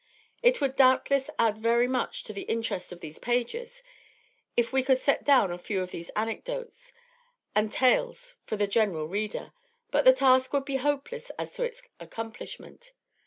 It would doubtless add very much to the interest of these pages if we could set down a few of these anecdotes and tales for the general reader; but, the task would be hopeless as to its accomplishment.